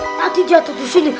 tadi jatuh di sini